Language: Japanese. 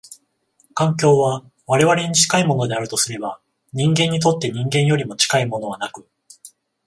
環境は我々に近いものであるとすれば、人間にとって人間よりも近いものはなく、